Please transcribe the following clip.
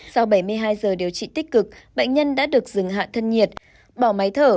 sau bảy mươi hai giờ điều trị tích cực bệnh nhân đã được dừng hạ thân nhiệt bỏ máy thở